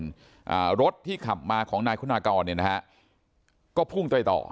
อ่ารถที่ขับมาของนายคุณากรเนี่ยนะฮะก็พุ่งไปต่อ